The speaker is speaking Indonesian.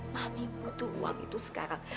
mami butuh uang itu sekarang